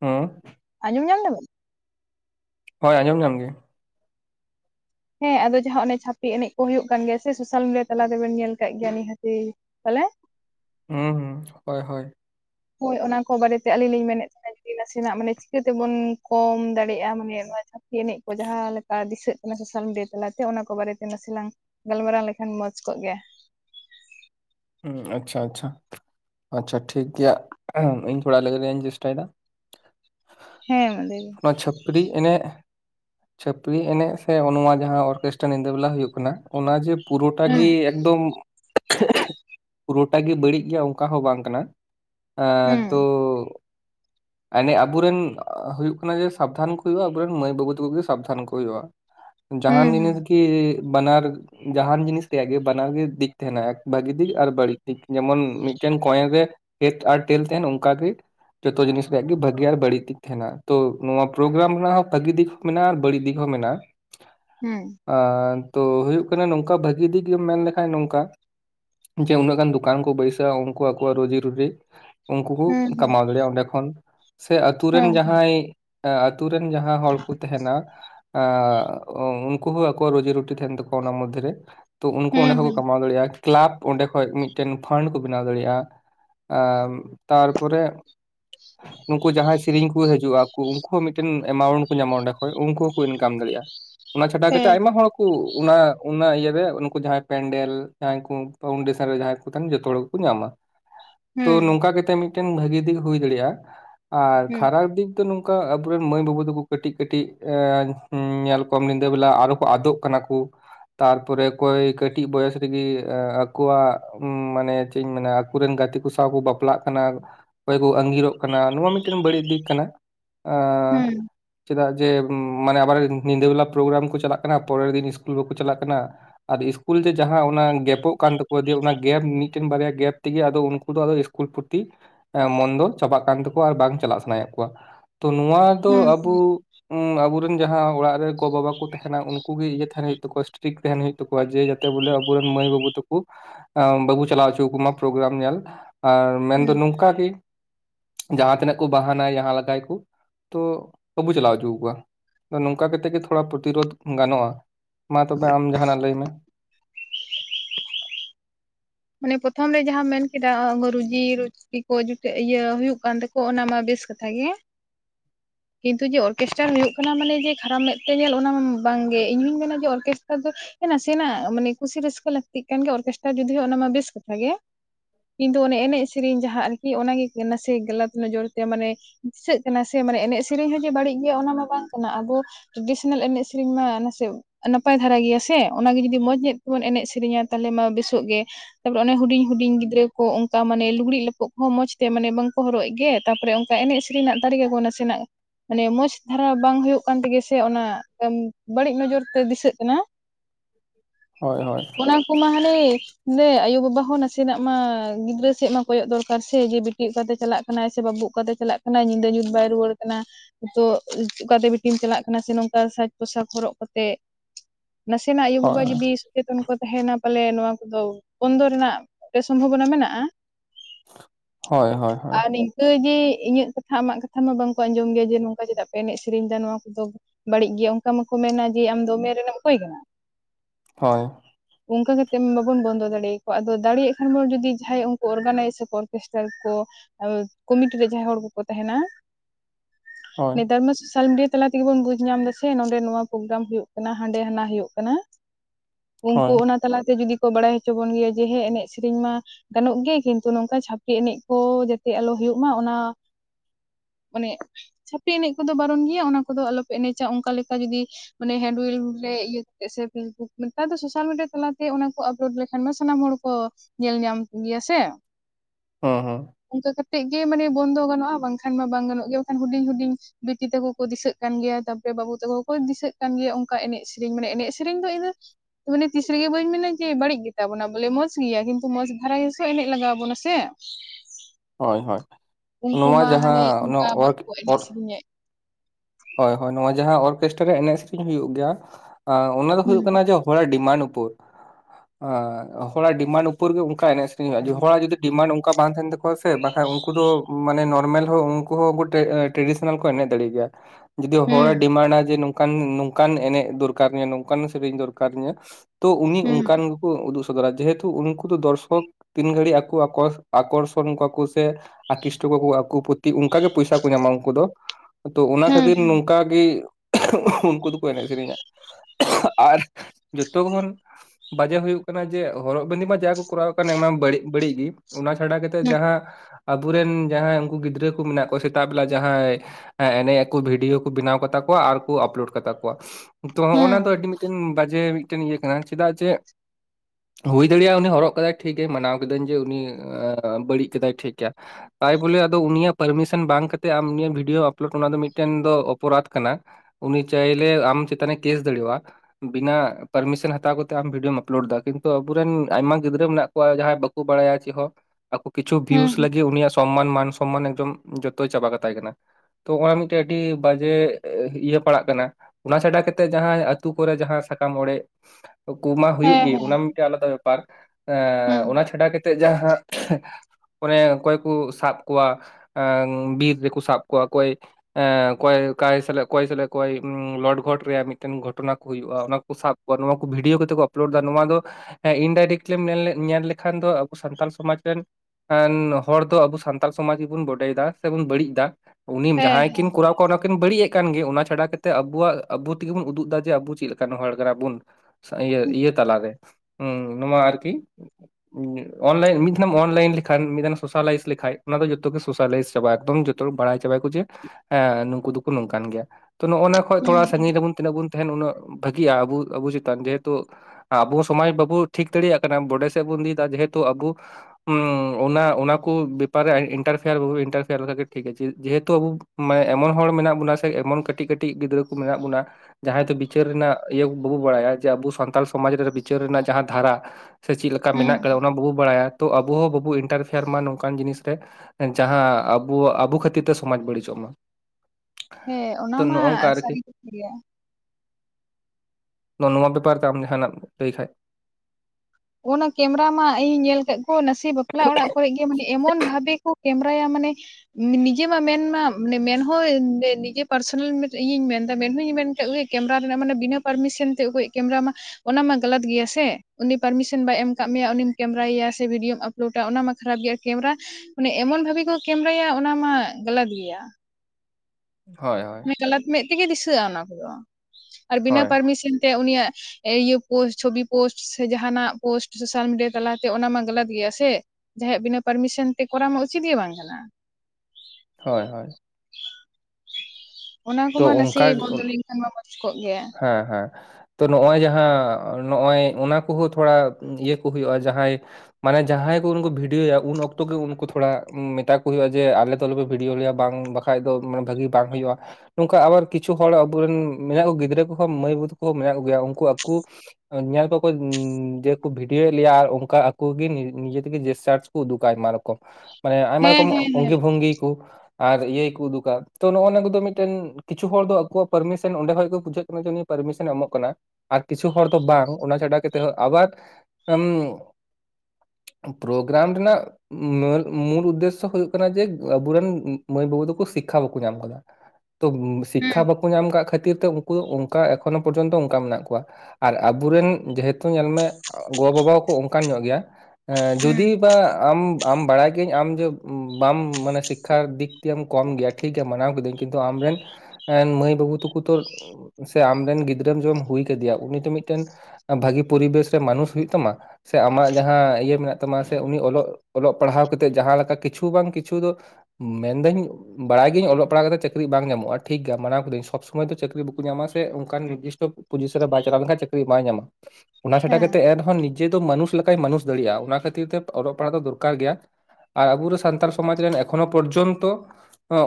ᱦᱮᱸ [unintelligible] ᱟᱸᱢᱚᱢ ᱧᱟᱢ ᱮᱫᱟ ᱵᱮᱱ? ᱦᱳᱭ ᱟᱸᱡᱚᱢ ᱧᱟᱢ ᱜᱮ, ᱦᱮᱸ ᱟᱫᱚ ᱡᱟᱦᱟᱸ ᱪᱷᱟᱯᱨᱤ ᱮᱱᱮᱡ ᱠᱚ ᱦᱩᱭᱩᱜ ᱠᱟᱱ ᱜᱮᱭᱟ, ᱥᱮ ᱥᱳᱥᱟᱞ ᱢᱤᱰᱤᱭᱟ ᱛᱟᱞᱟᱛᱮ ᱵᱮᱱ ᱧᱮᱞ ᱠᱟᱜ ᱜᱮᱭᱟ ᱱᱤᱦᱟᱹᱛᱤ ᱛᱚᱞᱮ [unintelligible] ᱦᱩᱸ ᱦᱩᱸ ᱦᱳᱭ ᱦᱳᱭ ᱦᱳᱭ ᱚᱱᱟ ᱠᱚ ᱵᱟᱨᱮᱛᱮ ᱟᱹᱞᱤᱧ ᱞᱤᱧ ᱢᱮᱱᱮᱫ ᱛᱟᱦᱮᱱᱟ ᱡᱮ ᱱᱟᱥᱮᱱᱟᱜ ᱢᱟᱱᱮ ᱪᱤᱠᱟᱹ ᱛᱮᱵᱚᱱ ᱠᱚᱢ ᱫᱟᱲᱮᱭᱟᱜᱼᱟ, ᱢᱟᱱᱮ ᱱᱚᱣᱟ ᱮᱱᱮᱡ ᱠᱚ ᱡᱟᱦᱟᱸ ᱞᱮᱠᱟ ᱫᱤᱥᱟᱹᱜ ᱠᱟᱱᱟ ᱥᱳᱥᱟᱞ ᱢᱤᱰᱤᱭᱟ ᱛᱟᱞᱟᱛᱮ ᱚᱱᱟ ᱠᱚ ᱵᱟᱨᱮᱛᱮ ᱱᱟᱥᱮᱱᱟᱜ ᱜᱟᱞᱢᱟᱨᱟᱣ ᱞᱮᱠᱷᱟᱱ ᱢᱚᱸᱡᱽ ᱠᱚᱜ ᱜᱮᱭᱟ᱾ ᱦᱩᱸ ᱟᱪᱪᱷᱟ ᱟᱪᱪᱷᱟ, ᱟᱪᱪᱷᱟ ᱴᱷᱤᱠ ᱜᱮᱭᱟ ᱤᱧ ᱛᱷᱚᱲᱟ ᱞᱟᱹᱭ ᱨᱮᱭᱟᱜ ᱤᱧ ᱪᱮᱥᱴᱟᱭ ᱮᱫᱟ᱾ ᱦᱮᱸ ᱢᱟ ᱞᱟᱹᱭ ᱵᱤᱱ? ᱟᱹᱰᱤ [unintelligible] ᱪᱷᱟᱹᱯᱨᱤ ᱮᱱᱮᱡ ᱥᱮ ᱱᱚᱣᱟ ᱡᱟᱦᱟᱸ ᱚᱨᱠᱮᱥᱴᱨᱟ ᱧᱤᱫᱟᱹ ᱵᱮᱞᱟ ᱦᱳᱭᱳᱜ ᱠᱟᱱᱟ, ᱚᱱᱟ ᱡᱮ ᱯᱩᱨᱟᱹᱴᱟ ᱦᱩᱸ ᱜᱮ ᱮᱠᱫᱚᱢ ᱯᱩᱨᱟᱹᱴᱟ ᱜᱮ ᱵᱟᱹᱲᱤᱡ ᱜᱮᱭᱟ ᱚᱱᱠᱟ ᱦᱚᱸ ᱵᱟᱝ ᱠᱟᱱᱟ ᱛᱚ ᱦᱩᱸ ᱮᱱᱮᱡ ᱟᱵᱚᱨᱮᱱ ᱦᱩᱭᱩᱜ ᱠᱟᱱᱟ ᱡᱮ ᱥᱟᱵᱫᱷᱟᱱ ᱠᱚ ᱦᱩᱭᱩᱜᱼᱟ ᱟᱵᱚᱨᱮᱱ ᱢᱟᱹᱭ ᱵᱟᱹᱵᱩ ᱛᱟᱠᱚ ᱜᱮ ᱥᱟᱵᱫᱷᱟᱱ ᱠᱚ ᱦᱩᱭᱩᱜᱼᱟ᱾ ᱡᱟᱦᱟᱱ ᱦᱩᱸ ᱡᱤᱱᱤᱥ ᱠᱤ ᱵᱟᱱᱟᱨ ᱡᱟᱸᱦᱟᱱ ᱡᱤᱱᱤᱥ ᱛᱮᱭᱟᱜ ᱜᱮ ᱵᱟᱱᱟᱨ ᱜᱮ ᱫᱤᱠ ᱛᱟᱦᱮᱱᱟ ᱮᱠ ᱵᱷᱟᱜᱤ ᱫᱤᱠ ᱟᱨ ᱵᱟᱹᱲᱤᱡ ᱫᱤᱠ ᱡᱮᱢᱚᱱ ᱢᱤᱫᱴᱮᱱ ᱠᱚᱭᱮᱱ ᱨᱮ, ᱦᱮᱰ ᱟᱨ ᱴᱮᱞ ᱛᱟᱦᱮᱱ ᱚᱱᱠᱟᱟᱜ ᱜᱮ ᱡᱚᱛᱚ ᱡᱤᱱᱤᱥ ᱜᱮ ᱵᱷᱟᱜᱤ ᱟᱨ ᱵᱟᱹᱲᱤᱡ ᱫᱤᱠ ᱛᱟᱦᱮᱱᱟ ᱾ᱛᱚ ᱱᱚᱣᱟ ᱯᱨᱳᱜᱨᱟᱢ ᱨᱮᱱᱟᱜ ᱦᱚᱸ ᱵᱷᱟᱜᱤ ᱫᱤᱠ ᱦᱚᱸ ᱢᱮᱱᱟᱜᱼᱟ ᱟᱨ ᱵᱟᱹᱲᱤᱡ ᱫᱤᱠ ᱦᱚᱸ ᱢᱮᱱᱟᱜᱼᱟ᱾ [inaudible] ᱦᱮᱸ ᱟᱨ ᱛᱳ ᱦᱳᱭᱳᱜ ᱠᱟᱱᱟ ᱱᱚᱝᱠᱟ ᱵᱷᱟᱹᱜᱤ ᱫᱤᱠ ᱜᱮᱢ ᱢᱮᱱᱞᱠᱷᱟᱱ ᱱᱚᱝᱠᱟ ᱡᱮ ᱩᱱᱟᱹᱜ ᱜᱟᱱ ᱫᱚᱠᱟᱱ ᱠᱚ ᱵᱟᱹᱭᱥᱟᱹᱜᱼᱟ ᱩᱱᱠᱩ ᱟᱠᱚᱣᱟᱜ ᱨᱳᱡ [unintelligible] ᱩᱱᱠᱩ ᱠᱚ ᱦᱩᱸ ᱠᱟᱢᱟᱣ ᱫᱟᱲᱮᱭᱟᱜᱼᱟ ᱾ ᱚᱸᱰᱮ ᱠᱷᱚᱱ ᱥᱮ ᱟᱛᱩ ᱨᱮᱱ ᱦᱩᱸ ᱦᱩᱸ ᱡᱟᱦᱟᱸᱭ ᱮ ᱟᱛᱳ ᱨᱮᱱ ᱡᱟᱦᱟᱸᱭ ᱦᱚᱲ ᱠᱚ ᱛᱟᱸᱦᱮᱱᱟ᱾ ᱮ ᱩᱱᱠᱩ ᱦᱚᱸ ᱟᱠᱚᱣᱟᱜ ᱨᱩᱡᱤ ᱨᱩᱴᱤ ᱛᱟᱦᱮᱱ ᱛᱟᱠᱚᱣᱟ ᱚᱱᱟ ᱢᱚᱫᱽᱨᱮ ᱛᱚ ᱩᱱᱠᱩ ᱚᱸᱰᱮ ᱦᱮᱸ ᱦᱚᱸᱠᱚ ᱠᱟᱢᱟᱣ ᱫᱟᱲᱮᱭᱟᱜᱼᱟ᱾ ᱠᱮᱞᱟᱯ ᱚᱸᱰᱮ ᱠᱷᱚᱱ ᱢᱤᱫᱴᱮᱱ ᱯᱷᱟᱱᱰ ᱠᱚ ᱵᱮᱱᱟᱣ ᱫᱟᱲᱮᱭᱟᱜᱼᱟ, ᱛᱟᱨᱯᱚᱨᱮ ᱱᱩᱠᱩ ᱡᱟᱦᱟᱸᱭ ᱥᱮᱨᱮᱧ ᱠᱚ ᱦᱤᱡᱩᱜ-ᱟ ᱟᱠᱚ ᱩᱱᱠᱩ ᱦᱚᱸ ᱢᱤᱫᱴᱮᱱ ᱮᱢᱟᱣᱩᱱᱰ ᱠᱚ ᱧᱟᱢᱟ, ᱚᱸᱰᱮ ᱠᱷᱚᱱ ᱩᱱᱠᱩ ᱦᱚᱸᱠᱚ ᱤᱱᱠᱟᱢ ᱫᱟᱲᱮᱭᱟᱜᱼᱟ᱾ ᱚᱱᱟ ᱪᱷᱟᱰᱟ ᱠᱟᱛᱮ ᱦᱮᱸ ᱟᱭᱢᱟ ᱦᱚᱲ ᱠᱚ‌ ᱚᱱᱟ ᱤᱭᱟᱹᱨᱮ ᱩᱱᱠᱩ ᱡᱟᱦᱟᱸᱭ ᱯᱮᱱᱰᱮᱞ ᱡᱟᱦᱟᱸᱭ ᱠᱚ ᱯᱷᱟᱣᱩᱱᱰᱮᱥᱚᱱ ᱨᱮ ᱡᱟᱦᱟᱸᱭ ᱠᱚ ᱛᱟᱦᱮᱱ ᱡᱚᱛᱚ ᱦᱚᱲ ᱧᱟᱢᱟ, ᱛᱚ ᱦᱮᱸ ᱱᱚᱝᱠᱟ ᱠᱟᱛᱮ ᱢᱤᱫᱴᱮᱱ ᱵᱷᱟᱹᱜᱤ ᱫᱤᱠ ᱦᱩᱭ ᱫᱟᱲᱮᱭᱟᱜᱼᱟ᱾ ᱟᱨ ᱦᱮᱸ ᱠᱷᱟᱨᱟᱯ ᱫᱤᱠ ᱚ ᱱᱚᱝᱠᱟ ᱟᱵᱚᱨᱮᱱ ᱢᱟᱹᱭ ᱵᱟᱹᱵᱩ ᱛᱟᱠᱚ ᱠᱟᱹᱴᱤᱡ ᱠᱟᱹᱴᱤᱡ ᱧᱮᱞ ᱠᱚᱢ ᱧᱤᱫᱟᱹ ᱵᱮᱞᱟ ᱟᱨᱚᱠᱚ ᱟᱫᱚᱜ ᱠᱟᱱᱟ ᱠᱚ᱾ ᱛᱟᱨᱯᱚᱨᱮ ᱚᱠᱚᱭ ᱠᱟᱹᱴᱤᱡ ᱵᱚᱭᱮᱥ ᱨᱮᱜᱮ ᱟᱠᱚᱣᱟᱜ ᱢᱟᱱᱮ ᱪᱮᱫ ᱤᱧ ᱢᱮᱱᱟ, ᱟᱠᱚᱨᱮᱱ ᱜᱟᱛᱮ ᱠᱚ ᱥᱟᱶ ᱠᱚ ᱵᱟᱯᱞᱟᱜ ᱠᱟᱱᱟ, ᱚᱠᱚᱭ ᱠᱚ ᱟᱸᱜᱤᱨᱚᱜ ᱠᱟᱱᱟ᱾ ᱱᱚᱣᱟ ᱢᱤᱫᱴᱮᱱ ᱵᱟᱹᱲᱤᱡ ᱫᱤᱠ ᱠᱟᱱᱟ ᱦᱮᱸ ᱦᱮᱸ ᱮ ᱪᱮᱫᱟᱜ ᱡᱮ, ᱢᱟᱱᱮ ᱟᱵᱟᱨ ᱧᱤᱫᱟᱹ ᱵᱮᱞᱟ ᱯᱨᱳᱜᱨᱟᱢ ᱠᱚ ᱪᱟᱞᱟᱜ ᱠᱟᱱᱟ ᱯᱚᱨᱮᱨ ᱫᱤᱱ ᱤᱥᱠᱩᱞ ᱵᱟᱠᱚ ᱪᱟᱞᱟᱜ ᱠᱟᱱᱟ᱾ ᱟᱫᱚ ᱤᱥᱠᱩᱞ ᱨᱮ ᱡᱟᱦᱟᱸ ᱚᱱᱟ ᱜᱮᱯᱚᱜ ᱠᱟᱱ ᱛᱟᱠᱚᱣᱟ ᱡᱮ, ᱚᱱᱟ ᱜᱮᱯ ᱢᱤᱫᱴᱮᱱ ᱵᱟᱨᱭᱟ ᱜᱮᱯ ᱛᱮᱜᱮ ᱟᱫᱚ ᱩᱱᱠᱩ ᱫᱚ ᱟᱫᱚ ᱤᱥᱠᱩᱞ ᱯᱚᱛᱤ ᱢᱚᱱᱫᱚ ᱪᱟᱵᱟᱜ ᱠᱟᱱ ᱛᱟᱠᱚᱣᱟ, ᱟᱨ ᱵᱟᱝ ᱪᱟᱞᱟᱜ ᱥᱟᱱᱟᱭᱮᱫ ᱠᱚᱣᱟ ᱛᱳ ᱱᱚᱣᱟ ᱫᱚ ᱦᱮᱸ ᱟᱵᱚ ᱟᱵᱚᱨᱮᱱ ᱡᱟᱦᱟᱸ ᱚᱲᱟᱜ ᱨᱮ ᱜᱚ ᱵᱟᱵᱟ ᱠᱚ ᱛᱟᱦᱮᱱᱟ ᱩᱱᱠᱩ‌ ᱜᱮ ᱤᱭᱟᱹ ᱛᱟᱦᱮᱸᱱ ᱦᱳᱭᱳᱜ ᱛᱟᱠᱚᱣᱟ ᱮᱥᱴᱤᱨᱤᱠ ᱛᱟᱦᱮᱱ ᱦᱩᱭᱩᱜ ᱛᱟᱠᱚᱣᱟ᱾ ᱡᱮ ᱡᱟᱛᱮ ᱵᱚᱞᱮ ᱟᱵᱚᱨᱮᱱ ᱢᱟᱹᱭ ᱵᱟᱹᱵᱩ ᱛᱟᱠᱚ ᱵᱟᱵᱚ ᱪᱟᱞᱟᱣ ᱦᱚᱪᱚ ᱟᱠ ᱠᱚᱢᱟᱟ ᱯᱨᱳᱜᱨᱟᱢ ᱧᱮᱞ ᱟᱨ ᱢᱮᱱᱫᱚ ᱦᱮᱸ ᱱᱚᱝᱠᱟᱜᱮ ᱡᱟᱦᱟᱸᱛᱤᱱᱟᱹᱜ ᱠᱚ ᱵᱟᱦᱟᱱᱟ ᱡᱟᱦᱟᱸ ᱞᱟᱜᱟᱭ ᱠᱚ ᱛᱚ ᱵᱟᱵᱩ ᱪᱟᱞᱟᱣ ᱦᱚᱪᱚ ᱟᱠ ᱠᱚᱣᱟ ᱟᱫᱚ ᱱᱚᱝᱠᱟ ᱠᱟᱛᱮᱜ ᱜᱮ ᱛᱷᱚᱲᱟ ᱯᱨᱚᱛᱤᱨᱳᱫᱷ ᱜᱟᱱᱚᱜᱼᱟ ᱢᱟ ᱛᱚᱵᱮ ᱟᱢ ᱡᱟᱦᱱᱟᱜ ᱞᱟᱹᱭ ᱢᱮ ᱢᱟᱱᱮ ᱯᱨᱚᱛᱷᱚᱢ ᱨᱮ ᱡᱟᱦᱟᱸᱟᱢ ᱢᱮᱱᱠᱮᱫᱟ ᱨᱩᱡᱤ ᱨ ᱪᱠᱤ ᱠᱚ ᱡᱩᱛᱟᱹ ᱤᱭᱟᱹ ᱦᱩᱭᱩᱜ ᱠᱟᱱ ᱛᱟᱠᱚ ᱚᱱᱟ ᱢᱟ ᱵᱮᱥ ᱠᱟᱛᱷᱟ ᱜᱮ [inaudible] ᱠᱤᱱᱛᱩ ᱡᱮ ᱚᱨᱠᱮᱥᱴᱟᱨ ᱦ ᱦᱩᱭᱩᱜ ᱠᱟᱱᱟ ᱢᱟᱱᱮ ᱡᱮ ᱠᱷᱟᱨᱟᱯ ᱢᱮᱫ ᱛᱮ ᱧᱮᱞ ᱚᱱᱟ ᱢᱟ ᱵᱟᱝᱜᱮ ᱤᱧ ᱦᱚᱩᱧ ᱢᱮᱱᱟ ᱡᱮ ᱚᱨᱠᱮᱥᱴᱟᱨ ᱫᱚ ᱱᱟᱥᱮᱱᱟᱜ ᱢᱟᱱᱮ ᱠᱩᱥᱤ ᱨᱟᱹᱥᱠᱟᱹ ᱞᱟᱹᱠᱛᱤᱜ ᱠᱟᱱ ᱜᱮᱭᱟ ᱚᱨᱠᱮᱥᱴᱟᱨ ᱡᱩᱫᱤ ᱚᱱᱟ ᱢᱟ ᱵᱮᱥ ᱠᱟᱛᱷᱟ ᱜᱮᱭᱟ ᱤᱧᱫᱚ ᱚᱱᱮ ᱮᱱᱮᱡ ᱥᱮᱨᱮᱧ ᱡᱟᱦᱟᱸ ᱟᱨᱠᱤ ᱚᱱᱟᱜᱮ ᱱᱟᱥᱮ ᱜᱟᱞᱟᱛ ᱱᱚ ᱡᱚᱨᱛᱮ ᱢᱟᱱᱮ ᱫᱤᱥᱟᱹᱜ ᱠᱟᱱᱟ ᱥᱮ ᱢᱟᱱᱮ ᱮᱱᱮᱡ ᱥᱮᱨᱮᱧ ᱦᱚᱸ ᱡᱮ ᱵᱟᱹᱲᱤᱡ ᱜᱮᱭᱟ ᱚᱱᱟ ᱢᱟ ᱵᱟᱝ ᱠᱟᱱᱟ ᱟᱵᱚ ᱴᱨᱟᱰᱤᱥᱚᱱᱟᱞ ᱮᱱᱮᱡ ᱥᱮᱨᱮᱧ ᱢᱟ ᱱᱟᱥᱮ ᱱᱟᱯᱟᱭ ᱫᱷᱟᱨᱟ ᱜᱮᱭᱟ ᱥᱮ ᱚᱱᱟᱜᱮ ᱡᱩᱚᱫᱤ ᱢᱚᱸᱡᱽ ᱧᱚᱜ ᱛᱮᱵᱚᱱ ᱮᱱᱮᱡ ᱥᱮᱨᱮᱧᱟ ᱛᱟᱦᱦᱮ ᱢᱟ ᱵᱮᱥᱚᱜ ᱜᱮ ᱛᱟᱯᱚᱨᱮ ᱚᱱᱮ ᱦᱩᱰᱤᱧ ᱦᱩᱰᱤᱧ ᱜᱤᱫᱽᱨᱟᱹ ᱠᱚ ᱚᱱᱠᱟ ᱢᱟᱱᱮ ᱞᱩᱜᱽᱲᱤᱡ ᱞᱟᱯᱚᱜ ᱠᱚᱦᱚᱸ ᱢᱚᱸᱡᱽ ᱛᱮ ᱢᱟᱱᱮ ᱵᱟᱝ ᱦᱚᱨᱚᱜ ᱜᱮ ᱛᱟᱨᱯᱚᱨᱮ ᱚᱱᱠᱟ ᱮᱱᱮᱡ ᱥᱮᱨᱮᱧᱱᱟᱜ ᱫᱟᱲᱮ ᱜᱮᱵᱚ ᱱᱟᱥᱮᱱᱟᱜ ᱢᱟᱱᱮ ᱢᱚᱸᱡᱽ ᱫᱷᱟᱨᱟ ᱵᱟᱝ ᱦᱩᱭᱩᱜ ᱠᱟᱱ ᱛᱮᱜᱮ ᱥᱮ ᱚᱱᱟ ᱵᱟᱹᱲᱤᱡ ᱱᱚᱡᱚᱨ ᱛᱮ ᱫᱤᱥᱟᱹᱜ ᱠᱟᱱᱟ ᱦᱳᱭ ᱦᱳᱭ ᱚᱱᱟ ᱠᱩ ᱢᱟᱦᱟᱱ [unintelligible] ᱫᱮ ᱟᱭᱳ ᱵᱟᱵᱟ ᱦᱚᱸ ᱱᱟᱥᱮᱱᱟᱜ ᱢᱟ ᱜᱤᱫᱽᱨᱟᱹ ᱥᱮᱫ ᱢᱟ ᱠᱚᱭᱚᱜ ᱫᱚᱨᱠᱟᱨ ᱥᱮ ᱡᱮ ᱵᱤᱴᱤ ᱚᱠᱟᱛᱮ ᱪᱟᱞᱟᱜ ᱠᱟᱱᱟᱼᱼ ᱠᱟᱱᱟᱭ ᱥᱮ ᱵᱟᱹᱵᱩᱵ ᱠᱟᱛᱮ ᱪᱟᱞᱟᱜ ᱠᱟᱱᱟᱭ ᱧᱤᱫᱟᱹ ᱧᱩᱛ ᱵᱟᱭ ᱨᱩᱣᱟᱹᱲ ᱠᱟᱱᱟ ᱛᱳ ᱚᱠᱟᱛᱮ ᱵᱤᱴᱤᱢ ᱪᱟᱞᱟᱜ ᱠᱟᱱᱟ ᱥᱮ ᱱᱚᱝᱠᱟ ᱥᱟᱡᱽ ᱯᱳᱥᱟᱠ ᱦᱚᱨᱚᱜ ᱠᱟᱛᱮᱜ ᱱᱟᱥᱮᱱᱟᱜ ᱦᱳᱭ ᱟᱭᱩᱼᱵᱟᱵᱟ ᱡᱩᱫᱤ ᱥᱚᱪᱮᱛᱚᱱ ᱠᱚ ᱛᱟᱦᱮᱱᱟ ᱯᱟᱞᱮ ᱱᱚᱣᱟ ᱵᱚᱱᱫᱚ ᱨᱮᱱᱟᱜ ᱥᱚᱢᱵᱷᱚᱵᱚᱱᱟ ᱢᱮᱱᱟᱜᱼᱟ ᱦᱳᱭ ᱦᱳᱭ ᱦᱳᱭ ᱟᱨ ᱱ ᱭ ᱡᱮ ᱤᱧᱟᱹᱜ ᱠᱟᱛᱷᱟ ᱟᱢᱟᱜ ᱠᱟᱛᱷᱟ ᱢᱟ ᱵᱟᱝᱠᱚ ᱟᱸᱡᱚᱢ ᱜᱮᱭᱟ ᱡᱮ ᱱᱚᱝᱠᱟ ᱪᱮᱫᱟᱜ ᱯᱮ ᱮᱱᱮᱡ ᱥᱮᱨᱮᱧ ᱮᱟ ᱱᱚᱣᱟ ᱠᱚᱫᱚ ᱵᱟᱹᱲᱤᱡ ᱜᱮᱭᱟ ᱚᱱᱠᱟ ᱢᱟᱠᱚ ᱢᱮᱱᱟ ᱡᱮ ᱟᱢ ᱫᱚᱢᱮᱨ ᱨᱮᱱᱢ ᱚᱠᱚᱭ ᱠᱟᱱᱟ ᱦᱳᱭ ᱚᱱᱠᱟ ᱠᱟᱛᱮᱢ ᱵᱚᱱ ᱵᱚᱱᱫᱚ ᱫᱟᱲᱮᱭᱟᱠᱚᱣᱟ ᱟᱫᱚ ᱫᱟᱲᱮᱭᱟᱜ ᱠᱷᱟᱱ ᱵᱚᱱ ᱡᱚᱫᱤ ᱡᱟᱦᱟᱸᱭ ᱩᱱᱠᱩ ᱚᱨᱜᱟᱱᱟᱭᱤᱡᱽ ᱥᱮ ᱚᱨᱠᱮᱥᱴᱟᱨ ᱠᱚ ᱠᱚᱢᱤᱴᱤ ᱨᱮ ᱡᱟᱦᱟᱸᱭ ᱦᱚᱲ ᱠᱚᱠᱚ ᱛᱟᱦᱮᱱᱟ ᱦᱳᱭ ᱱᱮᱛᱟᱨ ᱢᱟ ᱥᱳᱥᱟᱞ ᱢᱤᱰᱤᱭᱟ ᱛᱟᱞᱟ ᱛᱮᱜᱮ ᱵᱚᱱ ᱵᱩᱡᱽ ᱧᱟᱢ ᱮᱟᱥᱮ ᱱᱚᱰᱮ ᱱᱚᱣᱟ ᱯᱨᱳᱜᱨᱟᱢ ᱦᱩᱭᱩᱜ ᱠᱟᱱᱟ ᱦᱟᱸᱰᱮ ᱦᱟᱱᱟ ᱦᱩᱭᱩᱜ ᱠᱟᱱᱟ ᱩᱱᱠᱩ ᱦᱳᱭ ᱚᱱᱟ ᱛᱟᱞᱟᱛᱮ ᱡᱩᱫᱤ ᱠᱚ ᱵᱟᱲᱟᱭ ᱦᱚᱪᱚ ᱵᱚᱱ ᱜᱮᱭᱟ ᱡᱮ ᱦᱮᱸ ᱮᱱᱮᱡ ᱥᱮᱨᱮᱧ ᱢᱟ ᱜᱟᱱᱚᱜ ᱜᱮ ᱠᱤᱱᱛᱩ ᱱᱚᱝᱠᱟ ᱪᱷᱟᱯᱤ ᱮᱱᱮᱡ ᱠᱚ ᱡᱟᱛᱮ ᱟᱞᱚ ᱦᱩᱭᱩᱜ ᱢᱟ ᱚᱱᱟ ᱢᱟᱱᱮ ᱪᱷᱟᱹᱯᱤ ᱮᱱᱮᱡ ᱠᱚᱫᱚ ᱵᱟᱨᱚᱱ ᱜᱮᱭᱟ ᱚᱱᱟ ᱠᱚᱫᱚ ᱟᱞᱚᱯᱮ ᱮᱱᱮᱡᱟ ᱚᱱᱠᱟᱠᱟ ᱡᱩᱚᱫᱤ ᱢᱟᱱᱮ ᱦᱮᱱᱰᱮᱞ ᱨᱮ ᱤᱭᱟᱹ ᱥᱮ ᱯᱷᱮᱥᱵᱩᱠ ᱱᱮᱛᱟᱨ ᱫᱚ ᱥᱳᱥᱟᱞ ᱢᱤᱰᱤᱭᱟ ᱛᱟᱞᱟᱛᱮ ᱚᱱᱟ ᱠᱚ ᱳᱰ ᱞᱮᱠᱷᱟᱱ ᱢᱟ ᱥᱟᱱᱟᱢ ᱦᱚᱲ ᱠᱚ ᱧᱮᱞ ᱧᱟᱢ ᱠᱚ ᱜᱮᱭᱟ ᱥᱮ ᱦᱮᱸ ᱦᱮᱸ ᱚᱱᱠᱟᱛᱜ ᱜᱮ ᱢᱟᱱᱮ ᱵᱚᱱᱫᱚ ᱜᱟᱱᱚᱜᱼᱟ ᱵᱟᱝᱠᱷᱟᱱ ᱢᱟ ᱵᱟᱝ ᱜᱟᱱᱚᱜ ᱜᱮᱭᱟ ᱵᱟᱝᱠᱷᱟᱱ ᱦᱩᱰᱤᱧ ᱦᱩᱰᱤᱧ ᱵᱤᱴᱤ ᱛᱟᱠᱚ ᱠᱚ ᱫᱤᱥᱟᱹᱜ ᱠᱟᱱ ᱜᱮᱭᱟ ᱛᱟᱨᱯᱚᱨ ᱵᱟᱹᱵᱩ ᱛᱟᱠᱚᱠᱚ ᱫᱤᱥᱟᱹᱜ ᱠᱟᱱ ᱜᱮᱭᱟ ᱚᱱᱠᱟ ᱮᱱᱮᱡ ᱥᱮᱨᱮᱧ ᱢᱟᱱᱮ ᱮᱱᱮᱡ ᱥᱮᱨᱮᱧ ᱫᱚ ᱤᱧ ᱫᱚ ᱢᱟᱱᱮ ᱛᱤᱥ ᱨᱮᱜᱮ ᱢᱟᱹᱱᱟᱧ ᱵᱟᱹᱲᱤᱡ ᱜᱮᱛᱟ ᱵᱚᱱᱟ ᱵᱚᱞᱮ ᱢᱚᱸᱡ ᱜᱮᱭᱟ ᱠᱤᱱᱛᱩ ᱢᱚᱸ ᱫᱷᱟᱨᱟ ᱜᱮᱤᱥ ᱦᱚᱸ ᱮᱱᱮᱡ ᱞᱟᱜᱟᱣ ᱵᱚᱱᱟ ᱥᱮ ᱦᱳᱭ ᱦᱳᱭ ᱩᱱᱠᱩ ᱱᱚᱣᱟ ᱢᱟ ᱦᱟᱱᱮ ᱡᱟᱦᱟᱸ ᱚᱱᱟ ᱚᱱᱠᱟ ᱚᱨ ᱵᱟᱝᱠᱚ ᱮᱱᱮᱡ ᱚᱨ ᱥᱮᱨᱮᱧᱮᱫ ᱦᱳᱭ ᱦᱳᱭ ᱱᱚᱣᱟ ᱡᱟᱦᱟᱸ ᱚᱨᱠᱮᱥᱴᱟᱨ ᱨᱮᱭᱟᱜ ᱮᱱᱮᱡ ᱥᱮᱨᱮᱧ ᱦᱳᱭᱳ ᱜᱮᱭᱟ ᱚᱱᱟ ᱫᱚᱳᱭ ᱦᱩᱸ ᱠᱟᱱᱟ ᱡᱮ ᱦᱚᱲ ᱰᱤᱢᱟᱱᱰ ᱩᱯᱚᱨ ᱦᱚᱲᱟᱜ ᱰᱤᱢᱟᱱᱰ ᱩᱯᱚᱨᱜ ᱜᱮ ᱚᱱᱠᱟ ᱮᱱᱮᱡ ᱥᱮᱨᱮᱧ ᱦᱩᱭᱩᱜᱼᱟ ᱦᱚᱲᱟᱜ ᱡᱩᱫᱤᱰᱤᱢᱟᱱᱰ ᱚᱱᱠᱟ ᱵᱟᱝ ᱛ ᱛᱟᱦᱮᱱ ᱛᱟᱠᱚ ᱥᱮ ᱵᱟᱝᱠᱷᱟᱱ ᱩᱱᱠᱩ ᱫᱚ ᱢᱟᱱᱮ ᱱᱚᱨᱢᱮᱞ ᱦᱚᱸ ᱩᱱᱠᱩ ᱦᱚᱸ ᱩᱱ ᱴᱨᱟᱰᱤᱥᱚᱱᱟᱞ ᱠᱚ ᱮᱱᱮᱡ ᱫᱟᱲᱮ ᱜᱮᱭᱟ ᱡᱩᱫᱤ ᱦᱩᱸ ᱦᱚᱲᱮ ᱰᱤᱢᱟᱱᱰᱟ ᱡᱮ ᱱᱚᱝᱠᱟᱱ ᱱᱚᱝᱠᱟᱱ ᱮᱱᱮᱡ ᱫᱚᱨᱠᱟᱨᱤᱧᱟ ᱱᱚᱝᱠᱟᱱ ᱥᱮᱨᱮᱧ ᱫᱚᱨᱠᱟᱨᱤᱧᱟᱹ ᱛᱚ ᱩᱱᱤ ᱦᱩᱸ ᱚᱱᱠᱟᱱ ᱩᱫᱩᱜ ᱥᱚᱫᱚᱨᱟ ᱡᱮᱦᱮᱛᱩ ᱩᱱᱠᱩ ᱫᱚ ᱫᱚᱨᱥᱚᱠ ᱛᱤᱱ ᱜᱷᱟᱹᱲᱤᱡ ᱟᱠᱚ ᱟᱠᱚᱨᱥᱚᱱ ᱠᱚᱣᱟ ᱠᱚ ᱥᱮ ᱟᱠᱤᱥᱴᱚ ᱠᱚᱠᱚ ᱟᱠᱚ ᱯᱨᱚᱛᱤ ᱚᱱᱠᱟᱜᱮ ᱯᱚᱭᱥᱟ ᱠᱚ ᱧᱟᱢᱟ ᱩᱱᱠᱩ ᱫᱚ ᱛ ᱦᱩᱸ ᱠᱷᱟᱹᱛᱤᱨ ᱦᱩᱸ ᱱᱚᱝᱠᱟᱟᱜ ᱜᱮ ᱩᱱᱠᱩ ᱫᱚᱠᱚ ᱮᱱᱮᱡ ᱥᱮᱨᱮᱧᱟ ᱟᱨ ᱡᱚᱛᱚ ᱦᱚᱲ ᱵᱟᱡᱮ ᱦᱩᱭᱩᱜ ᱠᱟᱱᱟ ᱡᱮ ᱦᱚᱨᱚᱜ ᱵᱟᱸᱫᱮ ᱢᱟ ᱡᱟ ᱠᱚ ᱠᱚᱨᱟᱣ ᱠᱟᱱᱟ ᱚᱱᱟ ᱵᱟᱹᱲᱤᱡ ᱵᱟᱹᱲᱤᱡ ᱜᱮ ᱚᱱᱟ ᱪᱷᱟᱰᱟ ᱠᱟᱛᱮᱜ ᱦᱩᱸ ᱡᱟᱦᱟᱸ ᱟᱵᱚᱨᱮᱱ ᱡᱟᱦᱟᱸᱭ ᱩᱱᱠᱩ ᱜᱤᱫᱽᱨᱟᱹ ᱠᱚ ᱢᱮᱱᱟᱜ ᱠᱚᱣᱟ ᱥᱮᱛᱟᱜ ᱵᱮᱞᱟ ᱡᱟᱦᱟᱸᱭ ᱮ ᱮᱱᱮᱡ ᱵᱷᱤᱰᱭᱳ ᱠᱚ ᱵᱮᱱᱟᱣ ᱠᱟᱛᱟ ᱠᱚᱣᱟ ᱟᱨ ᱠᱚ ᱟᱯᱞᱳᱰ ᱠᱟᱛᱟ ᱠᱚᱣᱟ ᱛᱚ ᱱᱚᱜ-ᱱᱚᱣᱟ ᱫᱚ ᱦᱩᱸ ᱟᱹᱰᱤ ᱛᱤᱱ ᱵᱟᱡᱮ ᱢᱤᱫᱴᱮᱱ ᱤᱭᱟᱹ ᱠᱟᱱᱟ ᱪᱮᱫᱟᱜ ᱪᱮ ᱦᱩᱭ ᱫᱟᱲᱮᱭᱟᱜᱼᱟ ᱩᱱᱤ ᱦᱚᱨᱚᱜ ᱟᱠᱟᱫᱟᱭ ᱴᱷᱤᱠ ᱜᱮ ᱢᱟᱱᱟᱣ ᱠᱤᱫᱟᱹᱧ ᱡᱮ ᱩᱱᱤ ᱵᱟᱹᱲᱤᱡ ᱠᱮᱫᱟᱭ ᱴᱷᱤᱠ ᱜᱮᱭᱟ ᱟᱡ ᱵᱚᱞᱮ ᱟᱫᱚ ᱩᱱᱤᱭᱟᱜ ᱯᱟᱨᱢᱤᱥᱚᱱ ᱵᱟᱝ ᱠᱟᱛᱮ ᱟᱢ ᱩᱱᱤᱭᱟᱜ ᱵᱷᱤᱰᱭᱳ ᱟᱯᱞᱳᱰ ᱚᱱᱟ ᱫᱚ ᱢᱤᱫᱴᱮᱱ ᱢᱤᱫᱴᱮᱱ ᱫᱚ ᱚᱯᱚᱨᱟᱫᱷ ᱠᱟᱱᱟ ᱩᱱᱤ ᱪᱟᱦᱞᱮ ᱟᱢ ᱪᱮᱛᱟᱱ ᱮ ᱠᱮᱥ ᱫᱟᱲᱮᱣᱟᱜᱼᱟ ᱵᱮᱱᱟ. ᱯᱟᱨᱢᱤᱥᱚᱱ ᱦᱟᱛᱟᱣ ᱠᱟᱛᱮ ᱟᱢ ᱵᱷᱤᱰᱭᱳᱢ ᱟᱯᱞᱳᱰ ᱮᱫᱟ ᱠᱤᱱᱛᱩ ᱟᱵᱚᱨᱮᱱ ᱟᱭᱢᱟ ᱜᱤᱫᱽᱨᱟᱹ ᱢᱮᱱᱟᱜ ᱠᱚᱣᱟ ᱡᱟᱦᱟᱸᱭ ᱵᱟ ᱠᱚ ᱵᱟᱲᱟᱭᱟ ᱪᱮᱫ ᱦᱚᱸ ᱟᱠᱚ ᱠᱤᱪᱷᱩ ᱦᱩᱸ ᱵᱷᱤᱭᱩᱥ ᱦᱩᱸ ᱞᱟᱹᱜᱤᱫ ᱩᱱᱤᱭᱟᱜ ᱞᱟ. ᱜᱤᱫ ᱥᱚᱢᱢᱟᱱ ᱢᱟᱱ ᱥᱚᱢᱢᱟᱱ ᱮᱠᱫᱚᱢ ᱡᱚᱛᱚᱭ ᱪᱟᱵᱟ ᱠᱟᱛᱟᱭ ᱠᱟᱱᱟ ᱛᱚ ᱚᱱᱟ ᱢᱤᱫ ᱟᱹᱰᱤ ᱵᱟᱡᱮ ᱤᱭᱟᱹ ᱯᱟᱲᱟᱜ ᱠᱟᱱᱟ ᱚᱱᱟ ᱪᱷᱟᱰᱟ ᱠᱟᱛᱮᱜ ᱡᱟᱦᱟᱸᱭ ᱟ. ᱛᱩ ᱠᱚᱨᱮ ᱡᱟᱦᱟᱸ ᱥᱟᱠᱟᱢ ᱚᱲᱮᱡ ᱠᱚ ᱢᱟ ᱦᱩᱭᱩᱜ ᱦᱮᱸ ᱜᱤ ᱚᱱᱟ ᱦᱮᱸ ᱢᱤᱫᱴᱮᱱ ᱟᱞᱟᱫᱟ ᱵᱮᱯᱟᱨ ᱟᱸᱻ ᱦᱩᱸ ᱚᱱᱟ ᱪᱷᱟᱰᱟ ᱠᱟᱛᱮ ᱡᱟᱦᱟᱸ [unintelligible] ᱚᱱᱮ ᱚᱠᱚᱭ ᱠᱚ ᱥᱟᱵ ᱠᱚᱣᱟ ᱟᱸ ᱵᱤᱨ ᱨᱮ ᱠᱚ ᱥᱟᱵ ᱠᱚᱣᱟ ᱚᱠᱚᱭ ᱟᱺ.. ᱚᱠᱚᱭ ᱚᱠᱟᱭ ᱥᱟᱞᱟᱜ ᱚᱠᱚᱭ ᱥᱟᱞᱟᱜ ᱚᱠᱚᱭ ᱞᱚᱰ ᱜᱷᱚᱴ ᱨᱮᱭᱟᱜ ᱢᱤᱫᱴᱮᱱ ᱜᱷᱚᱴᱚᱱᱟ ᱠᱚ ᱦᱩᱭᱩᱜᱼᱟ ᱚᱱᱟ ᱠᱚ ᱥᱟᱵ ᱠᱚᱣᱟ ᱱᱚᱣᱟ ᱠᱚ ᱵᱷᱤᱰᱭᱳ ᱠᱟᱛᱮ ᱠᱚ ᱟᱯᱞᱳᱰ ᱫᱟ ᱱᱚᱣᱟ ᱫᱚ ᱤᱱᱰᱟᱭᱨᱮᱠᱴᱞᱤ ᱮᱢ ᱧᱮᱞ... ᱧᱮᱞ ᱞᱮᱠᱷᱟᱱ ᱫᱚ ᱟᱵᱚ ᱥᱟᱱᱛᱟᱞ ᱥᱚᱢᱟᱡᱽ ᱨᱮᱱ ᱟᱺᱻ... ᱦᱚᱲ ᱫᱚ ᱟᱵᱚ ᱥᱟᱱᱛᱟᱞ ᱥᱚᱢᱟᱡᱽ ᱜᱮᱵᱚᱱ ᱵᱚᱰᱮ ᱮᱫᱟ ᱥᱮ ᱵᱚᱱ ᱵᱟᱹᱲᱤᱡ ᱮᱫᱟ ᱩᱱᱤ ᱦᱮᱸ ᱦᱮᱸ ᱡᱟᱦᱟᱸᱭ ᱠᱤᱱ ᱠᱚᱨᱟᱣ ᱠᱚᱣᱟᱜ ᱢᱟ ᱠᱤᱱ ᱵᱟᱹᱲᱤᱡᱜ ᱮᱫ ᱠᱟᱱᱜᱤ ᱚᱱᱟ ᱪᱷᱟᱰᱟ ᱠᱟᱛᱮ ᱟᱵᱚᱣᱟᱜ ᱟᱵᱚ ᱛᱮᱜᱮ ᱵᱚᱱ ᱩᱫᱩᱜ ᱮᱫᱟ ᱡᱮ ᱟᱵᱚ ᱪᱮᱫ ᱞᱮᱠᱟᱱ ᱦᱚᱲ ᱠᱟᱱᱟ ᱵᱚᱱ ᱤᱭᱟᱹ ᱤᱭᱟᱹ ᱛᱟᱞᱟᱨᱮ ᱦᱩᱸ ᱱᱚᱣᱟ ᱟᱨᱠᱤ [unintelligible] ᱚᱱᱞᱤᱱ ᱢᱤᱫ ᱫᱷᱟ ᱮᱢ ᱚᱱᱞᱟᱭᱤᱱ ᱞᱮᱠᱷᱟᱱ ᱢᱤᱫᱷᱟᱣ ᱮᱢ ᱥᱚᱥᱤᱟᱞᱤᱥ ᱞᱮᱠᱟᱡ ᱚᱱᱟ ᱫᱚ ᱡᱚᱛᱚᱜ ᱜᱮ ᱥᱚᱥᱤᱟᱞᱤᱥ ᱪᱟᱵᱟᱼᱟ ᱮᱠᱫᱚᱢ ᱡᱚᱛᱚ ᱛᱚᱵᱮ ᱵᱟᱲᱟᱭ ᱪᱟᱵᱟᱭ ᱟᱠᱚ ᱡᱮ ᱟ.. ᱱᱩᱠᱩ ᱫᱚ ᱠᱚ ᱱᱚᱝᱠᱟᱱ ᱜᱮᱭᱟ ᱛᱚ ᱱᱚᱜ-ᱱᱚᱣᱟ ᱠᱷᱚᱱ ᱛᱷᱚᱲᱟ ᱦᱩᱸ ᱥᱟᱺᱜᱤᱧ ᱨᱮᱵᱚᱱ ᱛᱤᱱᱟᱹᱜ ᱵᱩᱱ ᱛᱟᱦᱮᱱ ᱩᱱᱟᱹᱜ ᱵᱷᱟᱹᱜᱤᱭᱟ ᱟᱵᱚ ᱟᱵᱚ ᱪᱮᱛᱟᱱ ᱡᱮᱦᱮᱛᱩ ᱟᱵᱩ ᱥᱚᱢᱟᱡ ᱵᱟᱵᱩ ᱴᱷᱤᱠ ᱫᱟᱲᱮᱭᱟᱜ ᱠᱟᱱᱟ ᱵᱚᱰᱮ ᱥᱮᱫ ᱵᱩᱱ ᱤᱫᱤ ᱮᱫᱟ ᱡᱮᱦᱮᱛᱩ ᱟᱵᱩ ᱦᱩ... ᱚᱱᱟ, ᱚᱱᱟ ᱠᱚ ᱵᱮᱯᱟᱨ ᱨᱮ ᱤᱱᱴᱟᱨᱯᱷᱮᱭᱟᱨ ᱵᱟᱝ ᱵᱩᱱ ᱤᱱᱴᱟᱨᱯᱷᱮᱭᱟᱨ ᱞᱮᱠᱷᱟᱱ ᱴᱷᱤᱠ- ᱡᱮ ᱡᱮᱦᱮᱛᱩ ᱟᱵ [unintelligible] ᱢᱟ ᱢᱟᱱᱮ ᱮᱢᱚᱱ ᱦᱚᱲ ᱢᱮᱱᱟᱜ ᱵᱚᱱᱟ ᱥᱮ ᱮᱢᱚᱱ ᱠᱟᱹᱴᱤᱡ ᱠᱟᱹᱴᱤᱡ ᱜᱤᱫᱽᱨᱟᱹ ᱠᱩ ᱢᱮᱱᱟᱜ ᱵᱚᱱᱟ ᱡᱟᱦᱟᱸᱭ ᱫᱚ ᱵᱤᱪᱟᱹᱨ ᱨᱮᱱᱟᱜ ᱤᱭᱟᱹ ᱵᱟᱵᱚ ᱵᱟᱲᱟᱭᱟ ᱡᱮ ᱟᱵᱚ ᱥᱟᱱᱛᱟᱲ ᱥᱚᱢᱟᱡᱽ ᱨᱮ ᱵᱤᱪᱟᱹᱨ ᱨᱮᱱᱟᱜ ᱡᱟᱦᱟᱸ ᱫᱷᱟᱨᱟ ᱥᱮ ᱪᱮᱫ ᱞᱮᱠᱟ ᱢᱮᱱᱟᱜ ᱦᱩᱸ ᱟᱠᱟᱫᱟ ᱚᱱᱟ ᱵᱟᱵᱚ ᱵᱟᱲᱟᱭᱟ ᱛᱚ ᱟᱵᱚ ᱦᱚᱸ ᱵᱟᱵᱚ ᱤᱱᱴᱟᱨ..... ᱯᱷᱮᱭᱟᱨ ᱢᱟ ᱱᱚᱝᱠᱟᱱ ᱡᱤᱱᱤᱥ ᱨᱮ, ᱡᱟᱦᱟᱸ ᱟᱵᱚᱣᱟᱜ ᱟᱵᱚ ᱠᱷᱟᱹᱛᱤᱨ ᱛᱮ ᱥᱚᱢᱟᱡᱽ ᱵᱟᱹᱲᱤᱡᱚᱜ ᱢᱟ ᱦᱮᱸ ᱛᱚ ᱚᱱᱟᱢᱟ ᱱᱚᱜᱼᱚᱝᱠᱟ ᱟᱨᱠᱤ ᱥᱟᱹᱨᱤ ᱠᱷᱟᱛᱟ ᱜᱮ ᱢᱟ ᱱᱚᱣᱟ ᱵᱮᱯᱟᱨ ᱛᱮ ᱟᱢ ᱡᱟᱦᱟᱱᱟᱜ ᱮᱢ ᱞᱟᱹᱭ ᱠᱷᱟᱡ ᱚᱱᱟ ᱠᱮᱢᱮᱨᱟ ᱢᱟ ᱤᱧ ᱧᱮᱞ ᱠᱮᱫ ᱠᱚ ᱱᱟᱥᱮ ᱵᱟᱯᱞᱟ ᱚᱲᱟᱜ ᱠᱚᱨᱮ ᱜᱮ ᱢᱟᱱᱮ ᱮᱢᱚᱱ ᱵᱷᱟᱵᱮ ᱠᱚ ᱠᱮᱢᱨᱟᱭᱟ ᱢᱟᱱᱮ ᱱᱤᱡᱮ ᱢᱟ ᱢᱮᱱ ᱢᱟᱱᱮ ᱢᱮᱱᱦᱚ ᱱᱤᱡᱮ ᱯᱟᱨᱥᱚᱱᱟᱞ ᱤᱧᱤᱧ ᱢᱮᱱᱫᱟ ᱢᱮᱱᱦᱚᱧ ᱢᱮᱱ ᱠᱮᱫ ᱜᱤ ᱠᱮᱢᱮᱨᱟ ᱨᱮᱱᱟᱜ ᱢᱟᱱᱮ ᱵᱤᱱᱟᱹ ᱯᱟᱨᱢᱤᱥᱮᱱ ᱛᱮ ᱚᱠᱚᱭᱟᱜ ᱠᱮᱢᱮᱨᱟ ᱢᱟ ᱚᱱᱟ ᱢᱟ ᱜᱟᱞᱚᱛ ᱜᱮᱭᱟ ᱥᱮ ᱯᱟᱨᱢᱤᱥᱮᱱ ᱵᱟᱭ ᱮᱢ ᱟᱠᱟᱫ ᱢᱮᱭᱟ ᱩᱱᱤᱢ ᱠᱮᱢᱨᱟᱭᱮᱭᱟ ᱥᱮ ᱵᱷᱤᱰᱤᱭᱳᱢ ᱟᱯᱞᱳᱰ-ᱟ ᱚᱱᱟᱢᱟ ᱠᱷᱟᱨᱟᱵ ᱜᱮᱭᱟ ᱠᱮᱢᱮᱨᱟ ᱚᱱᱮ ᱮᱢᱚᱱ ᱵᱷᱟᱵᱮ ᱠᱚ ᱠᱮᱢᱮᱨᱟᱭᱟ ᱚᱱᱟ ᱢᱟ ᱜᱟᱞᱟᱛ ᱜᱮᱭᱟ ᱦᱳᱭ ᱦᱳᱭ ᱜᱟᱞᱟᱛ ᱢᱮᱫ ᱛᱮᱜᱮ ᱫᱤᱥᱟᱹᱜᱼᱟ ᱚᱱᱟ ᱠᱚᱫᱚ ᱟᱨ ᱵᱤᱱᱟ. ᱦᱳᱭ ᱯᱟᱨᱢᱤᱥᱚᱱ ᱛᱮ ᱩᱱᱤᱭᱟᱜ ᱤᱭᱟᱹ ᱯᱳᱥᱴ ᱪᱷᱚᱵᱤ ᱯᱳᱥᱴ ᱥᱮ ᱡᱟᱦᱟᱱᱟᱜ ᱯᱳᱥᱴ ᱥᱳᱥᱟᱞ ᱢᱤᱰᱤᱭᱟ ᱛᱟᱞᱟᱛᱮ ᱚᱱᱟ ᱢᱟ ᱜᱟᱞᱟᱛ ᱜᱮᱭᱟ ᱥᱮ ᱡᱟᱦᱟᱸᱭᱟᱜ ᱵᱤᱱᱟᱹ ᱯᱟᱨᱢᱤᱥᱚᱱ ᱛᱮ ᱠᱚᱨᱟᱣ ᱢᱟ ᱩᱪᱤᱛ ᱜᱮ ᱵᱟᱝ ᱠᱟᱱᱟ ᱦᱳᱭ ᱦᱳᱭ ᱚᱱᱟ ᱛᱚ ᱠᱚᱢᱟ ᱱᱟᱥᱮ ᱚᱱᱠᱟ ᱵᱚᱱᱫᱚ ᱞᱮᱱ ᱠᱷᱟᱱ ᱢᱟ ᱢᱚᱸᱡᱽ ᱠᱚᱜ ᱜᱮᱭᱟ ᱦᱮᱸ ᱦᱮᱸ ᱛᱚ ᱱᱚᱜᱼᱚᱭ ᱡᱟᱦᱟᱸ ᱱᱚᱜᱼᱚᱭ ᱚᱱᱟ ᱠᱚᱦᱚᱸ ᱛᱷᱚᱲᱟ ᱤᱭᱟᱹ ᱠᱚ ᱦᱩᱭᱩᱜᱼᱟ ᱡᱟᱦᱟᱸᱭ ᱢᱟᱱᱮ ᱡᱟᱦᱟᱸᱭ ᱠᱚ ᱩᱱᱠᱩ ᱵᱷᱤᱰᱭᱳᱭᱟ ᱩᱱ ᱚᱠᱛᱚ ᱜᱮ ᱩᱱᱠᱩ ᱛᱷᱚᱲᱟ ᱢᱮᱛᱟ ᱠᱚ ᱦᱩᱭᱩᱜᱼᱟ ᱡᱮ ᱟᱞᱮ ᱫᱚ ᱟᱞᱚᱯᱮ ᱵᱷᱤᱰᱭᱳ ᱞᱮᱭᱟ ᱵᱟᱝ ᱵᱟᱠᱷᱟᱱ ᱠᱷᱟᱡ ᱫᱚ ᱢᱟᱱ... ᱵᱷᱟᱹᱜᱤ ᱵᱟᱝ ᱦᱩᱭᱩᱜᱼᱟ ᱱᱚᱝᱠᱟ ᱟᱵᱟᱨ ᱠᱤᱪᱷᱩ ᱦᱚᱲ ᱟᱵᱚᱨᱮᱱ ᱢᱮᱱᱟᱜ ᱠᱚᱜᱮ ᱜᱤᱫᱽᱨᱟᱹ ᱠᱚᱦᱚᱸ ᱢᱟᱹᱭ ᱵᱟᱹᱵᱩ ᱠᱚᱦᱚᱸ ᱢᱮᱱᱟᱜ ᱠᱚ ᱜᱮᱭᱟ ᱩᱱᱠᱩ ᱟᱠᱚᱠᱩ ᱧᱮᱞ ᱠᱚᱠᱚ ᱡᱮ ᱠᱚ ᱵᱷᱤᱰᱭᱳ ᱮᱫ ᱞᱮᱭᱟ ᱟᱨ ᱚᱱᱠᱟ ᱟᱠᱚ ᱜᱮ ᱱᱤᱡᱮ ᱛᱮᱜᱮ [unintelligible] ᱩᱫᱩᱜᱟ ᱟᱭᱢᱟ ᱨᱚᱠᱚᱢ ᱢᱟᱱᱮ ᱟᱭᱢᱟ ᱨᱚᱠᱚᱢ ᱦᱮᱸ ᱦᱮᱸ ᱚᱝᱜᱤ ᱦᱮᱸ ᱵᱷᱚᱝᱜᱤ ᱠᱚ ᱟᱨ ᱤᱭᱟᱹᱭ ᱠᱚ ᱩᱫᱩᱜᱟ ᱛᱚ ᱱᱚᱜᱼᱚ ᱱᱚᱶᱟ ᱠᱚᱫᱚ ᱢᱤᱫ ᱴᱮᱱ ᱠᱤᱪᱷᱩ ᱦᱚᱲ ᱫᱚ ᱟᱠᱚᱣᱟᱜ ᱯᱟᱨᱢᱤᱥᱚᱱ ᱚᱸᱰᱮ ᱠᱷᱚᱡ ᱠᱚ [unintelligible] [unintelligible] ᱯᱟᱨᱢᱤᱥᱮᱱ ᱮ ᱮᱢᱚᱜ ᱠᱟᱱᱟ ᱟᱨ ᱠᱤᱪᱷᱩ ᱦᱚᱲ ᱫᱚ ᱵᱟᱝ ᱚᱱᱟ ᱪᱷᱟᱰᱟ ᱠᱟᱛᱮ ᱦᱚᱸ ᱟᱵᱟᱨ [unintelligible] ᱯᱨᱳᱜᱨᱟᱢ ᱨᱮᱱᱟᱜ ᱢᱩᱞ ᱢᱩᱞ ᱩᱫᱽᱫᱮᱥᱥᱚ ᱦᱳᱭᱳᱜ ᱠᱟᱱᱟ ᱡᱮ ᱟᱵᱚ ᱨᱮᱱ ᱢᱟᱹᱭ ᱵᱟᱹᱵᱩ ᱛᱟᱠᱚ ᱥᱤᱠᱠᱷᱟ ᱵᱟᱠᱚ ᱧᱟᱢ ᱟᱠᱟᱫᱟ ᱛᱚ ᱥᱤᱠᱠᱷᱟ ᱦᱩᱸ ᱵᱟᱠᱚ ᱧᱟᱢ ᱠᱟᱜ ᱠᱷᱟᱹᱛᱤᱨ ᱛᱮ ᱩᱱᱠᱩ ᱚᱱᱠᱟ ᱮᱠᱷᱚᱱᱚ ᱯᱚᱨᱡᱚᱱᱛᱚ ᱚᱱᱠᱟ ᱢᱮᱱᱟᱜ ᱠᱚᱣᱟ ᱟᱨ ᱟᱵᱩ ᱨᱮᱱ ᱡᱮᱦᱮᱛᱩ ᱧᱮᱞ ᱢᱮ ᱜᱚ ᱵᱟᱵᱟ ᱦᱚᱸᱠᱚ ᱚᱱᱠᱟᱱ ᱧᱚᱜ ᱜᱮᱭᱟ ᱦᱮᱸ ᱦᱩᱸ ᱡᱩᱫᱤ ᱵᱟ ᱟᱢ ᱟᱢ ᱵᱟᱲᱟᱭ ᱜᱤᱭᱟᱹᱧ ᱟᱢ ᱡᱮ ᱵᱟᱢ ᱢᱟᱱᱮ ᱥᱤᱠᱠᱷᱟ ᱫᱤᱠᱼᱼ ᱛᱮᱢ ᱠᱚᱢ ᱜᱮᱭᱟ ᱴᱷᱤᱠ ᱜᱮᱭᱟ ᱢᱟᱱᱟᱣ ᱠᱤᱫᱟᱹᱧ ᱠᱤᱱᱛᱩ ᱟᱢ ᱨᱮᱱ ᱢᱟᱹᱭ ᱵᱟᱹᱵᱩ ᱛᱟᱠᱩ ᱛᱚ ᱥᱮ ᱟᱢ ᱨᱮᱱ ᱜᱤᱫᱽᱨᱟᱹᱢ ᱡᱮᱢ ᱦᱩᱭ ᱠᱟᱫᱮᱭᱟ ᱩᱱᱤ ᱫᱚ ᱢᱤᱫ ᱴᱮᱱ ᱵᱷᱟᱜᱤ ᱯᱚᱨᱤᱵᱮᱥ ᱨᱮ ᱢᱟᱱᱩᱥ ᱦᱩᱭᱩᱜ ᱛᱟᱢᱟ ᱥᱮ ᱟᱢᱟᱜ ᱡᱟᱸᱦᱟ ᱤᱭᱟᱹ ᱢᱮᱱᱟᱜ ᱛᱟᱢᱟ ᱥᱮ ᱩᱱᱤ ᱚᱞᱚᱜ ᱚᱞᱚᱜ ᱯᱟᱲᱦᱟᱣ ᱠᱟᱛᱮᱫ ᱡᱟᱸᱦᱟ ᱞᱮᱠᱟ ᱠᱤᱪᱷᱩ ᱵᱟᱝ ᱠᱤᱪᱷᱩ ᱫᱚ ᱢᱮᱱ ᱫᱟᱹᱧ ᱵᱟᱲᱟᱭ ᱜᱤᱭᱟᱹᱧ ᱚᱞᱚᱜ ᱯᱟᱲᱦᱟᱣ ᱠᱟᱛᱮᱫ ᱪᱟᱹᱠᱨᱤ ᱵᱟᱝ ᱧᱟᱢᱚᱜᱼᱟ ᱴᱷᱤᱠ ᱜᱮᱭᱟ ᱢᱟᱱᱟᱣ ᱠᱟᱫᱟᱹᱧ ᱥᱚᱵᱽ ᱥᱚᱢᱚᱭ ᱫᱚ ᱪᱟᱹᱠᱨᱤ ᱵᱟᱠᱚ ᱧᱟᱢᱟ ᱥᱮ ᱚᱱᱠᱟᱱ ᱱᱤᱨᱫᱤᱥᱴᱚ ᱯᱚᱡᱤᱥᱚᱱ ᱨᱮ ᱵᱟᱭ ᱪᱟᱞᱟᱣ ᱞᱮᱱᱠᱷᱟᱱ ᱪᱟᱹᱠᱨᱤ ᱵᱟᱭ ᱧᱟᱢᱟ ᱚᱱᱟ ᱪᱷᱟᱰᱟ ᱦᱮᱸ ᱠᱟᱛᱮᱫ ᱮᱱᱦᱚᱸ ᱱᱤᱡᱮ ᱫᱚ ᱢᱟᱱᱩᱥ ᱞᱮᱠᱟᱭ ᱢᱟᱱᱩᱥ ᱫᱟᱲᱮᱭᱟᱜᱼᱟ ᱚᱱᱟ ᱠᱷᱟᱹᱛᱤᱨ ᱛᱮ ᱚᱞᱚᱜ ᱯᱟᱲᱦᱟᱜ ᱫᱚᱨᱠᱟᱨ ᱜᱮᱭᱟ ᱟᱨ ᱟᱵᱚ ᱨᱮᱱ ᱥᱟᱱᱛᱟᱲ ᱥᱚᱢᱟᱡᱽ ᱨᱮᱱ ᱮᱠᱷᱚᱱᱳ ᱯᱚᱨᱡᱚᱱᱛᱚ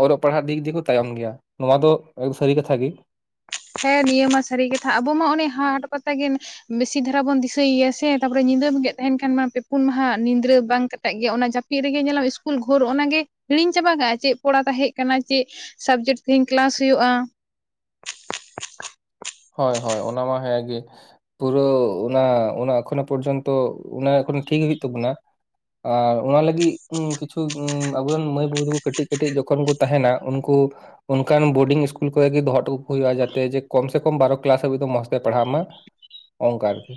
ᱚᱞᱚᱜ ᱯᱟᱲᱦᱟᱜ ᱫᱤᱠ ᱫᱤᱭᱮ ᱛᱟᱭᱚᱢ ᱜᱮᱭᱟ ᱱᱚᱣᱟ ᱫᱚ ᱥᱟᱹᱨᱤ ᱠᱟᱛᱷᱟ ᱜᱮ ᱦᱮᱸ ᱱᱤᱭᱟᱹ ᱢᱟ ᱥᱟᱹᱨᱤ ᱠᱟᱛᱷᱟ ᱟᱵᱚ ᱢᱟ ᱚᱱᱮ ᱦᱟᱴ ᱯᱟᱛᱟ ᱜᱮ ᱵᱮᱥᱤ ᱫᱷᱟᱨᱟ ᱵᱚᱱ ᱫᱤᱥᱟᱹᱭ ᱜᱮᱭᱟ ᱥᱮ ᱛᱟᱯᱚᱨᱮ ᱧᱤᱫᱟᱹ ᱵᱮᱸᱜᱮᱫ ᱛᱟᱦᱮᱱ ᱠᱷᱟᱱ ᱢᱟ ᱯᱮ ᱯᱩᱱ ᱢᱟᱦᱟ ᱧᱤᱫᱟᱹ ᱵᱟᱝ ᱠᱟᱴᱟᱜ ᱜᱮᱭᱟ ᱚᱱᱟ ᱡᱟᱯᱼᱼ [unintelligible] ᱨᱮᱜᱮ ᱧᱮᱞ ᱟᱢ ᱤᱥᱠᱩᱞ ᱜᱳᱨ [unintelligible] ᱚᱱᱟ ᱜᱮ ᱦᱤᱲᱤᱧ ᱪᱟᱵᱟ ᱠᱟᱜᱼᱟ ᱪᱮᱫ ᱯᱚᱲᱟ ᱛᱟᱦᱮᱸ ᱠᱟᱱᱟ ᱪᱮᱫ ᱥᱟᱵᱽᱡᱮᱠᱴ ᱛᱮᱦᱮᱧ ᱠᱮᱞᱟᱥ ᱦᱩᱭᱩᱜᱼᱟ [inaudible] ᱦᱳᱭ ᱦᱳᱭ ᱚᱱᱟ ᱢᱟ ᱦᱮᱸ ᱜᱮ ᱯᱩᱨᱟᱹ ᱚᱱᱟ ᱚᱱᱟ ᱮᱠᱷᱚᱱᱳ ᱯᱚᱨᱡᱚᱱᱛᱚ ᱚᱱᱟ ᱮᱠᱷᱚᱱᱳ ᱴᱷᱤᱠ ᱜᱮ ᱦᱳᱭᱳ ᱛᱟᱵᱚᱱᱟ ᱟᱨ ᱚᱱᱟ ᱞᱟᱹᱜᱤᱫ ᱠᱤᱪᱷᱩ ᱟᱵᱚ ᱨᱮᱱ ᱢᱟᱹᱭ ᱵᱟᱹᱵᱩ ᱛᱟᱠᱚ ᱠᱟᱹᱴᱤᱡ ᱠᱟᱹᱴᱤᱡ ᱡᱚᱠᱷᱚᱱ ᱠᱚ ᱛᱟᱦᱮᱱᱟ ᱩᱱᱠᱩ ᱚᱱᱠᱟᱱ ᱵᱳᱰᱤᱝ ᱤᱥᱠᱩᱞ ᱠᱚ ᱨᱮᱜᱮ ᱫᱚᱦᱚ ᱦᱚᱴᱚ ᱠᱟᱠᱚᱣᱟ ᱠᱚ ᱦᱩᱭᱩᱜᱼᱟ ᱡᱟᱛᱮ ᱡᱮ ᱠᱚᱢ ᱥᱮ ᱠᱚᱢ ᱠᱚᱢ ᱵᱟᱨ ᱠᱮᱞᱟᱥ ᱦᱟᱵᱤᱢ ᱢᱚᱸᱡᱽ ᱛᱮ ᱯᱟᱲᱦᱟᱜ ᱢᱟ ᱚᱱᱠᱟ ᱟᱨᱠᱤ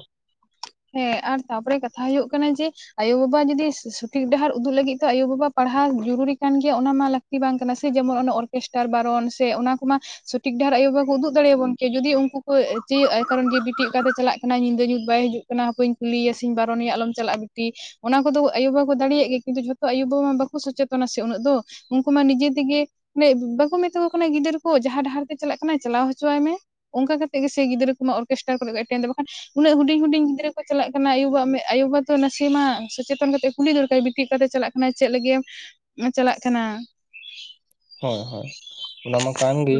ᱦᱮᱸ ᱟᱨ ᱛᱟᱯᱚᱨᱮ ᱠᱟᱛᱷᱟ ᱦᱩᱭᱩᱜ ᱠᱟᱱᱟ ᱡᱮ ᱟᱭᱳ ᱵᱟᱵᱟ ᱡᱩᱫᱤ ᱥᱚᱴᱷᱤᱠ ᱰᱟᱦᱟᱨ ᱩᱫᱩᱜ ᱞᱟᱹᱜᱤᱫ ᱟᱭᱳ ᱵᱟᱵᱟ ᱯᱟᱲᱦᱟᱣ ᱡᱩᱨᱩᱲᱤ ᱠᱟᱱ ᱜᱮᱭᱟ ᱚᱱᱟ ᱢᱟ ᱞᱟᱹᱠᱛᱤ ᱵᱟᱝ ᱠᱟᱱᱟ ᱥᱮ ᱡᱮ ᱢᱚᱱ ᱚᱱᱟ ᱚᱨᱜᱮᱥᱴᱟᱨ ᱵᱟᱨᱚᱱ ᱥᱮ ᱚᱱᱟ ᱠᱚᱢᱟ ᱥᱚᱴᱷᱤᱠ ᱰᱟᱦᱟᱨ ᱟᱭᱳ ᱵᱟᱵᱟ ᱠᱚ ᱩᱫᱩᱜ ᱫᱟᱲᱮᱭ ᱟᱵᱚᱱ ᱠᱮᱭᱟ ᱡᱩᱫᱤ ᱩᱱᱠᱩ ᱠᱚ ᱪᱟᱹᱭᱟᱜᱼᱟ ᱠᱟᱨᱚᱱ ᱵᱤᱴᱤ ᱚᱠᱟ ᱛᱮ ᱪᱟᱞᱟᱜ ᱠᱟᱱᱟ ᱧᱤᱫᱟᱹ ᱧᱩᱛ ᱵᱟᱭ ᱦᱤᱡᱩᱜᱼᱟ ᱠᱟᱱᱟ ᱦᱟᱯᱮᱧ ᱠᱩᱞᱤ ᱮᱭᱟ ᱥᱮ ᱵᱟᱨᱚᱱ ᱮᱭᱟ ᱟᱞᱚᱢ ᱪᱟᱞᱟᱜᱼᱟ ᱵᱤᱴᱤ ᱚᱱᱟ ᱠᱚᱫᱚ ᱟᱭᱳ ᱵᱟᱵᱟ ᱠᱚ ᱫᱟᱲᱮᱭᱟᱜ ᱜᱮᱭᱟ ᱠᱤᱱᱛᱩ ᱡᱷᱚᱛᱚ ᱟᱭᱳ ᱵᱟᱵᱟ ᱢᱟ ᱵᱟᱠᱚ ᱥᱚᱪᱮᱛᱚᱱᱟ ᱥᱮ ᱩᱱᱟᱹᱜ ᱫᱚ ᱩᱱᱠᱩ ᱢᱟ ᱱᱤᱡᱮ ᱛᱮᱜᱮ ᱵᱟᱠᱚ ᱢᱮᱛᱟ ᱠᱚ ᱠᱟᱱᱟ ᱜᱤᱫᱟᱹᱨ ᱠᱚ ᱡᱟᱦᱟ ᱰᱟᱦᱟᱨ ᱛᱮ ᱪᱟᱞᱟᱜ ᱠᱟᱱᱟ ᱪᱟᱞᱟᱣ ᱦᱚᱪᱚ ᱟᱭ ᱢᱮ ᱚᱱᱠᱟ ᱠᱟᱛᱮ ᱜᱮ ᱥᱮ ᱜᱤᱫᱽᱨᱟᱹ ᱠᱚᱢᱟ ᱚᱨᱜᱮᱥᱴᱟᱨ ᱠᱚᱨᱮ ᱠᱚ ᱮᱴᱮᱱᱮᱜᱼᱟ ᱵᱟᱠᱷᱟᱱ ᱩᱱᱟᱹᱜ ᱦᱩᱰᱤᱧ ᱦᱩᱰᱤᱧ ᱜᱤᱫᱽᱨᱟᱹ ᱠᱚ ᱪᱟᱞᱟᱜ ᱠᱟᱱᱟ ᱟᱭᱳ ᱵᱟᱵᱟ ᱟᱭᱳ ᱵᱟᱵᱟ ᱛᱚ ᱱᱟᱥᱮ ᱢᱟ ᱥᱚᱪᱮᱛᱚᱱ ᱠᱟᱛᱮ ᱠᱩᱞᱤ ᱫᱚᱨᱠᱟᱨ ᱵᱤᱴᱤ ᱚᱠᱟ ᱛᱮ ᱪᱟᱞᱟᱜ ᱠᱟᱱᱟ ᱪᱮᱫ ᱞᱟᱹᱜᱤᱫ ᱮᱢ ᱦᱮᱸ ᱪᱟᱞᱟᱜ ᱠᱟᱱᱟ ᱦᱳᱭ ᱦᱳᱭ ᱚᱱᱟ ᱢᱟ ᱠᱟᱱ ᱜᱮ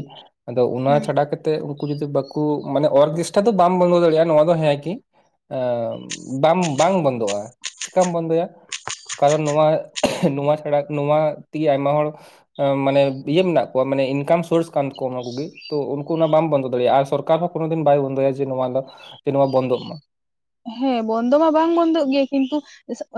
ᱟᱫᱚ ᱚᱱᱟ ᱦᱩᱸ ᱪᱷᱟᱰᱟ ᱠᱟᱛᱮ ᱩᱱᱠᱩ ᱡᱩᱫᱤ ᱵᱟᱠᱚ ᱢᱟᱱᱮ ᱚᱨᱜᱮᱥᱴᱟᱨ ᱫᱚ ᱵᱟᱢ ᱵᱚᱱᱫᱚ ᱫᱟᱲᱮᱭᱟᱜᱼᱟ ᱱᱚᱶᱟ ᱫᱚ ᱦᱮᱸ ᱜᱮ ᱦᱮᱸᱵᱟᱢ ᱵᱟᱝ ᱵᱚᱱᱫᱚᱜᱼᱟ ᱪᱤᱠᱟᱢ ᱵᱚᱱᱫᱚ [unintelligible] ᱠᱟᱨᱚᱱ ᱱᱚᱣᱟ ᱱᱚᱣᱟ ᱪᱷᱟᱲᱟ ᱱᱚᱣᱟ ᱛᱮᱜᱮ ᱟᱭᱢᱟ ᱦᱚᱲ ᱢᱟᱱᱮ ᱤᱭᱟᱹ ᱢᱮᱱᱟᱜ ᱠᱚᱣᱟ ᱢᱟᱱᱮ ᱤᱱᱠᱟᱢ ᱥᱳᱨᱥ ᱠᱟᱱᱟ ᱚᱱᱟ ᱠᱚᱜᱮ ᱛᱚ ᱩᱱᱠᱩ ᱚᱱᱟ ᱵᱟᱢ ᱵᱚᱱᱫᱚ ᱫᱟᱲᱮᱭᱟᱜᱼᱟ ᱟᱨ ᱥᱚᱨᱠᱟᱨ ᱦᱚᱸ ᱠᱳᱱᱳ ᱫᱤᱱ ᱵᱟᱭ ᱵᱚᱱᱫᱚᱭᱟ ᱡᱮ ᱱᱚᱣᱟ ᱱᱚᱣᱟ ᱵᱚᱱᱫᱚᱜ ᱢᱟ ᱦᱮᱸ ᱵᱚᱱᱫᱚ ᱢᱟ ᱵᱟᱝ ᱵᱚᱱᱫᱚᱜ ᱜᱮᱭᱟ ᱠᱤᱱᱛᱩ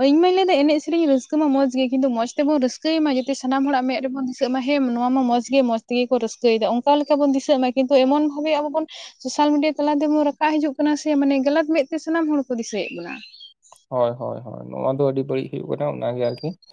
ᱤᱧ ᱢᱟᱹᱧ ᱞᱟᱹᱭ ᱫᱟ ᱮᱱᱮᱡ ᱥᱮᱨᱮᱧ ᱨᱟᱹᱥᱠᱟᱹ ᱢᱟ ᱢᱚᱸᱡᱽ ᱜᱮ ᱠᱤᱱᱛᱩ ᱢᱚᱸᱡᱽ ᱛᱮᱵᱚᱱ ᱨᱟᱹᱥᱠᱟᱹᱭ ᱢᱟ ᱡᱟᱛᱮ ᱥᱟᱱᱟᱢ ᱦᱚᱲ ᱟᱜ ᱢᱮᱫ ᱨᱮᱵᱚᱱ ᱫᱤᱥᱟᱹᱜ ᱢᱟ ᱦᱮᱸ ᱱᱚᱣᱟ ᱢᱟ ᱢᱚᱸᱡᱽ ᱜᱮ ᱢᱚᱸᱡᱽ ᱛᱮᱜᱮ ᱠᱚ ᱨᱟᱹᱥᱠᱟᱹᱭ ᱮᱫᱟ ᱚᱱᱠᱟ ᱞᱮᱠᱟ ᱵᱚᱱ ᱫᱤᱥᱟᱹᱜ ᱢᱟ ᱠᱤᱱᱛᱩ ᱮᱢᱚᱱ ᱵᱷᱟᱵᱮ ᱟᱵᱚ ᱵᱚᱱ ᱥᱳᱥᱟᱞ ᱢᱤᱰᱤᱭᱟ ᱛᱟᱞᱟ ᱛᱮᱵᱚᱱ ᱨᱟᱠᱟᱵ ᱦᱤᱡᱩᱜ ᱠᱟᱱᱟ ᱥᱮ ᱢᱟᱱᱮ ᱜᱟᱞᱟᱛ ᱢᱮᱫ ᱛᱮ ᱥᱟᱱᱟᱢ ᱦᱚᱲ ᱠᱚ ᱫᱤᱥᱟᱹᱭᱮᱫ ᱵᱚᱱᱟ ᱦᱳᱭ ᱦᱳᱭ ᱦᱳᱭ ᱱᱚᱣᱟ ᱫᱚ ᱟᱹᱰᱤ ᱵᱟᱹᱲᱤᱡ ᱦᱩᱭᱩᱜ ᱠᱟᱱᱟ ᱚᱱᱟ ᱜᱮ ᱟᱨᱠᱤ